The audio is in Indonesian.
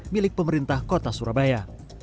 milik pemerintah kota surabaya